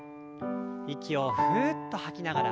息をふうっと吐きながら。